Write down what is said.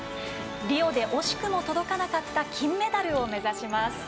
リオで惜しくも届かなかった金メダルを目指します。